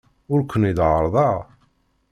Ur ken-id-ɛerrḍeɣ.